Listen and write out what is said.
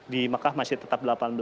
di mekah masih tetap delapan belas